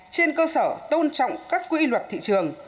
trên cơ sở tôn trọng các quy luật thị trường